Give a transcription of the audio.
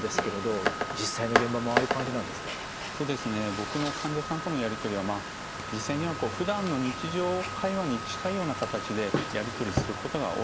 僕の患者さんとのやり取りは実際にはふだんの日常会話に近いような形でやり取りすることが多いです。